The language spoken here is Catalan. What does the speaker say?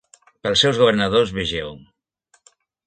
Pels seus governadors vegeu: